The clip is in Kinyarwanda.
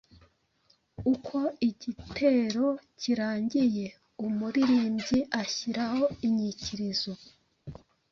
Uko igitero kirangiye, umuririmbyi ashyiraho inyikirizo.